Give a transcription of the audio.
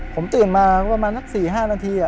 ผมตื่นมาประมาณสัก๔๕นาที